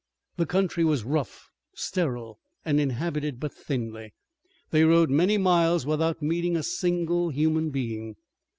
The country was rough, sterile, and inhabited but thinly. They rode many miles without meeting a single human being.